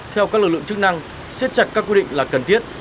theo các lực lượng chức năng xếp chặt các quy định là cần thiết